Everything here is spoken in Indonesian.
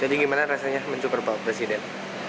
jadi gimana rasanya mencukupi presiden